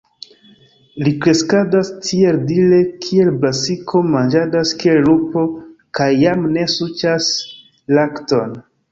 Li kreskadas tieldire kiel brasiko, manĝadas kiel lupo, kaj jam ne suĉas lakton.